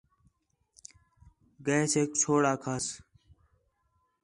گیسیک چھوڑ آکھاس